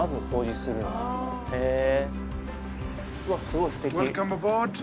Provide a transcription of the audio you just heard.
すごいすてき。